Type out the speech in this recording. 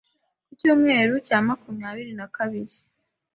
ku cyumweru cya makumyabiri na kabiri